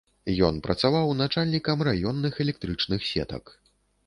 Ён працаваў начальнікам раённых электрычных сетак.